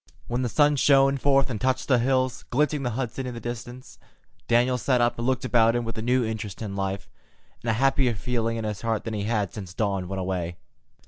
When the sun shone forth and touched the hills, glinting the Hudson in the distance, Daniel sat up and looked about him with a new interest in life, and a happier feeling in his heart than he had had since Dawn went away.